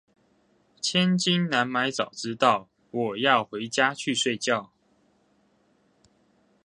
千金難買早知道，我要回家去睡覺